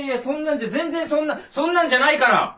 そんなんじゃ全然そんなんそんなんじゃないから！